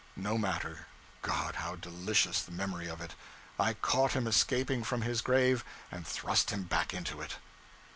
No matter God! how delicious the memory of it! I caught him escaping from his grave, and thrust him back into it.